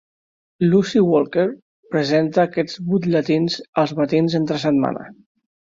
Lucy Walker presenta aquests butlletins els matins entre setmana.